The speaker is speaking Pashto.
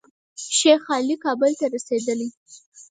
شیخ علي کابل ته رسېدلی.